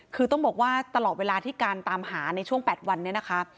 คือต้องบอกว่าตลอดเวลาที่การตามหาในช่วง๘วันนี้นะคะ